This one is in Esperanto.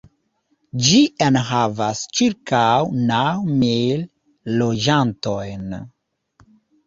Ĝi enhavas ĉirkaŭ naŭ mil loĝantojn.